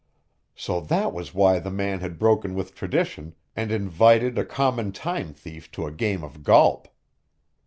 So that was why the man had broken with tradition and invited a common time thief to a game of golp!